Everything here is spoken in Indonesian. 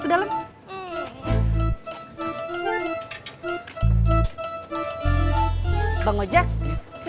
pendek sini kita trapsin